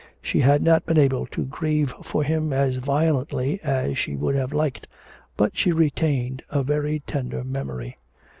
She had not been able to grieve for him as violently as she would have liked, but she retained a very tender memory.